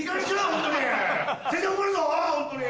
ホントに。